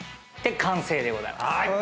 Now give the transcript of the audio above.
完成でございます。